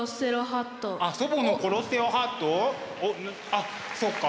あっそっか。